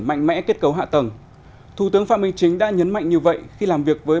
mạnh mẽ kết cấu hạ tầng thủ tướng phạm minh chính đã nhấn mạnh như vậy khi làm việc với